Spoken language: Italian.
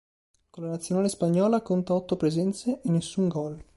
Con la Nazionale spagnola conta otto presenze e nessun gol.